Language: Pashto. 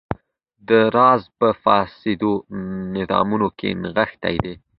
دا راز په فاسدو نظامونو کې نغښتی دی.